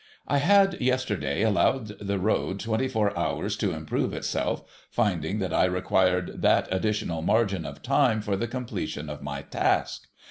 I had yesterday allowed the road twenty four hours to improve itself, finding that I required that additional margin of time for the completion of my task.